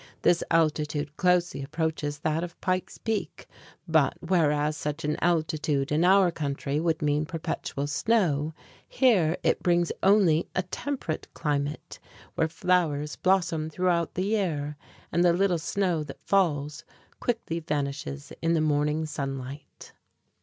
This altitude closely approaches that of Pike's Peak; but whereas such an altitude in our country would mean perpetual snow, here it brings only a temperate climate, where flowers blossom throughout the year and the little snow that falls quickly vanishes in the morning sunlight.